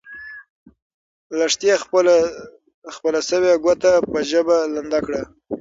لښتې خپله سوې ګوته په ژبه لنده کړه.